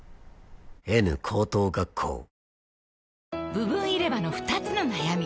部分入れ歯の２つの悩み